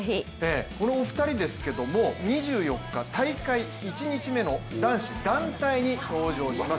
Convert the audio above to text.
このお二人ですけれども２４日、大会１日目の男子団体に登場します。